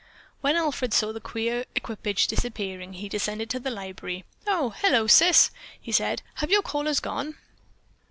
When Alfred saw the queer equipage disappearing, he descended to the library. "Oh, hello, Sis," he said, "Have your callers gone?"